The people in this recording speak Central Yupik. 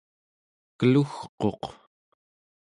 kelugquq